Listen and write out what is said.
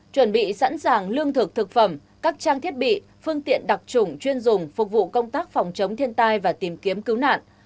chuẩn bị sẵn sàng lương thực thực phẩm các trang thiết bị phương tiện đặc trùng chuyên dùng phục vụ công tác phòng chống thiên tai và tìm kiếm cứu nạn